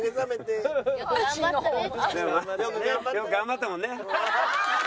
でもまあよく頑張ったもんね。